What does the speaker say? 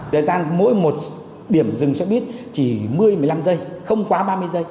thời gian mỗi một điểm dừng xe buýt chỉ một mươi một mươi năm giây không quá ba mươi giây